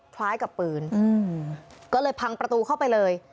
คล้ายกับปืนก็เลยพังประตูเข้าไปเลย